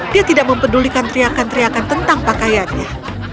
dia tidak mempedulikan teriakan teriakan tentang pakaiannya